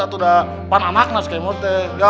atau udah panamakna si kemot